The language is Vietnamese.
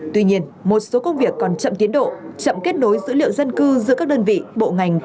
tuy nhiên một số công việc còn chậm tiến độ chậm kết nối dữ liệu dân cư giữa các đơn vị bộ ngành